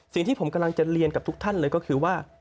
สิ่งที่ผมกำลังจะเรียนกับทุกท่านเลยก็คือว่า